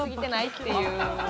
っていう。